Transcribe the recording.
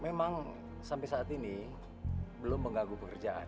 memang sampai saat ini belum mengganggu pekerjaan